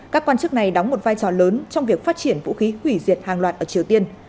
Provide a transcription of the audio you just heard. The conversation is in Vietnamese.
các quan chức này đóng một vai trò lớn trong việc phát triển vũ khí hủy diệt hàng loạt ở triều tiên